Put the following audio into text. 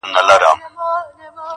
په خبرو په کیسو ورته ګویا سو.